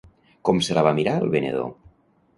Com se la va mirar el venedor?